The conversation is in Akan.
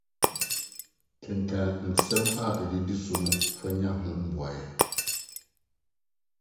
Kenkan nsɛm a edidi so no fa nya ho mmuae.